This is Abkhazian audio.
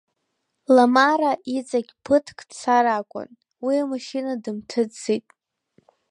Ламара иҵегь ԥыҭк дцар акәын, уи амашьына дымҭыҵӡеит.